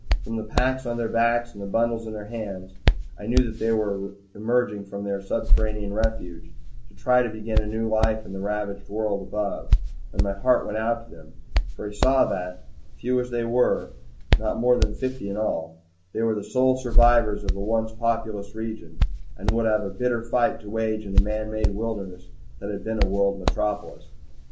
From the packs on their backs and the bundles in their hands, I knew that they were emerging from their subterranean refuge, to try to begin a new life in the ravaged world above; and my heart went out to them, for I saw that, few as they were not more than fifty in all they were the sole survivors of a once populous region, and would have a bitter fight to wage in the man made wilderness that had been a world metropolis.